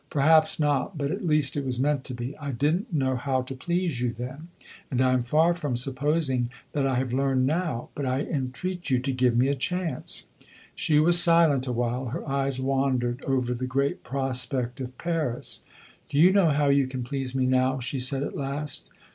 "Perhaps not; but at least it was meant to be. I did n't know how to please you then, and I am far from supposing that I have learned now. But I entreat you to give me a chance." She was silent a while; her eyes wandered over the great prospect of Paris. "Do you know how you can please me now?" she said, at last.